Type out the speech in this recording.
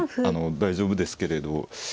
あの大丈夫ですけれど。